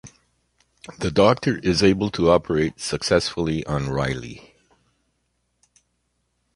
The doctor is able to operate successfully on Riley.